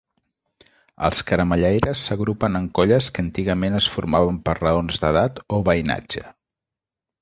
Els caramellaires s'agrupen en colles que antigament es formaven per raons d'edat o veïnatge.